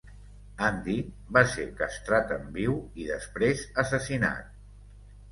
Andy va ser castrat en viu i després assassinat.